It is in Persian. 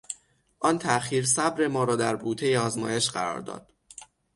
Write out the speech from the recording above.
آن تاخیر صبر ما را در بوتهی آزمایش قرارداد.